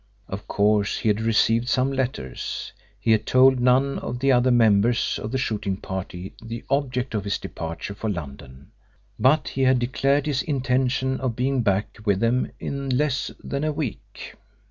Of course he had received some letters. He had told none of the other members of the shooting party the object of his departure for London, but he had declared his intention of being back with them in less than a week.